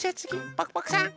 パクパクさん。